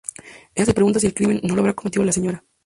Elle se pregunta si el crimen no lo habrá cometido la Sra.